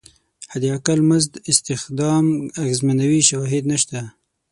حداقل مزد استخدام اغېزمنوي شواهد نشته.